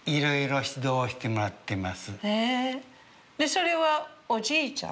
それはおじいちゃん？